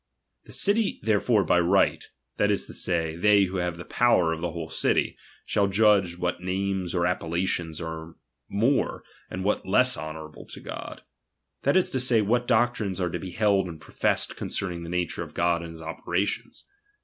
The city therefore by right, that is to say, they who have the power of the whole city, shall judge what names or appellations are more, what less honourable for God ; that is to say, what doctrines are to be held and professed concerning the nature of God and his operations.